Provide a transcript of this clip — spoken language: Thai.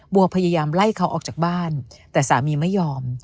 บัวพยายามไล่เขาออกจากบ้านแต่สามีไม่ยอม